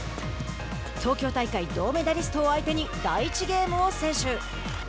東京大会、銅メダリストを相手に第１ゲームを先取。